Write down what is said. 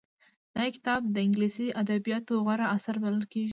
دا کتاب د انګلیسي ادبیاتو غوره اثر بلل کېږي